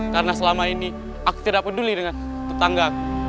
karena selama ini aku tidak peduli dengan tetangga aku